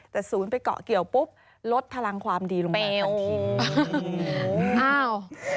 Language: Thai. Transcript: แต่๐ไปเกาะเกี่ยวปุ๊บลดพลังความดีลงมานานที